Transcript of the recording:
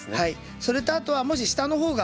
それとあとはもし下の方が。